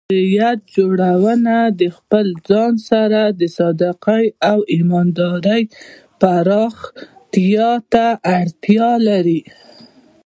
شخصیت جوړونه د خپل ځان سره د صادقۍ او ایماندارۍ پراختیا ته اړتیا لري.